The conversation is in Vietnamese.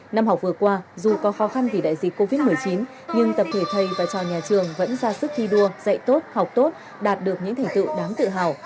năm học vừa qua dù có khó khăn vì đại dịch covid một mươi chín nhưng tập thể thầy và trò nhà trường vẫn ra sức thi đua dạy tốt học tốt đạt được những thành tựu đáng tự hào